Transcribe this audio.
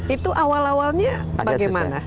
itu awal awalnya bagaimana